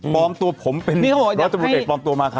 ปองตัวผมเป็นรัฐมุดเด็กปองตัวมาครับ